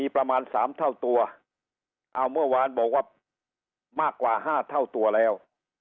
ประมาณสามเท่าตัวเอาเมื่อวานบอกว่ามากกว่าห้าเท่าตัวแล้ว